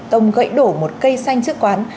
tông gãy đổ một cây xanh trước quán